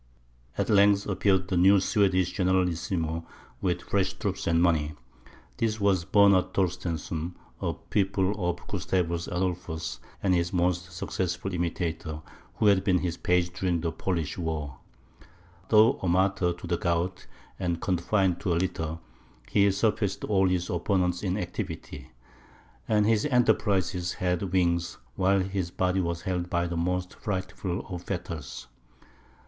At length appeared the new Swedish generalissimo, with fresh troops and money. This was Bernard Torstensohn, a pupil of Gustavus Adolphus, and his most successful imitator, who had been his page during the Polish war. Though a martyr to the gout, and confined to a litter, he surpassed all his opponents in activity; and his enterprises had wings, while his body was held by the most frightful of fetters.